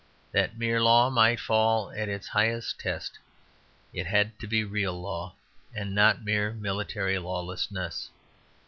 That mere law might fail at its highest test it had to be real law, and not mere military lawlessness.